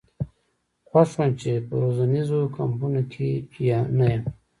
خوښ وم چې په روزنیزو کمپونو کې نه یم.